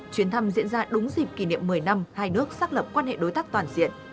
chuyến thăm diễn ra đúng dịp kỷ niệm một mươi năm hai nước xác lập quan hệ đối tác toàn diện